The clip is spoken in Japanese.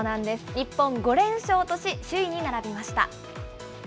日本５連勝とし、首位に並びました。